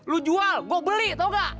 lo jual gue beli tau gak